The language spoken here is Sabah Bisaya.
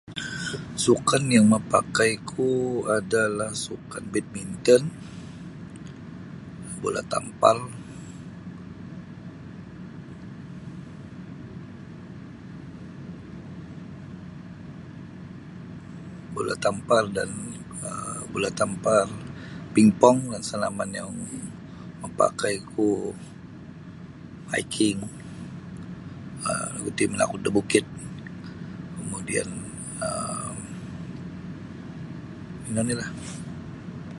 Sukan yang mapakai ku adalah sukan badminton bola tampar bola tampar dan bola tampar ping-pong dan senaman yang mapakai ku hiking um nu ti manakud da bukid kemudian um ino ni lah.